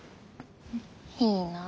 いいなぁ。